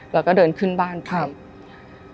แล้วก็เดินขึ้นบ้านครับ